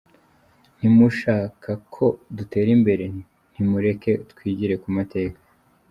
Ntimushakako dutera imbere ntimureke twigire ku mateka.